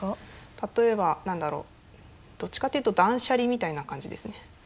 例えば何だろうどっちかっていうと断捨離みたいな感じですね。